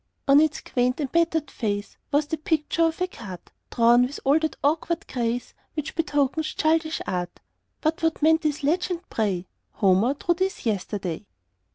On its quaint and battered face Was the picture of a cart, Drawn with all that awkward grace Which betokens childish art; But what meant this legend, pray: "Homer drew this yesterday?"